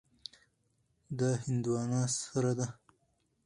دا هندوانه سره ده.